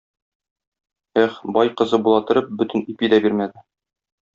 Эх, бай кызы була торып, бөтен ипи дә бирмәде